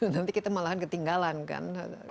nanti kita malahan ketinggalan kan